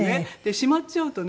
しまっちゃうとね